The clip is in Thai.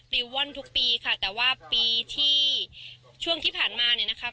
ลิวว่อนทุกปีค่ะแต่ว่าปีที่ช่วงที่ผ่านมาเนี่ยนะคะ